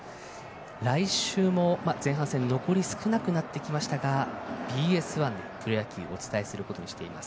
来週も前半戦残り少なくなってきましたがＢＳ１プロ野球をお伝えすることにしています。